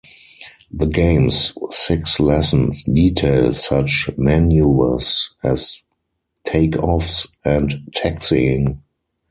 The game's six lessons detail such maneuvers as takeoffs and taxiing.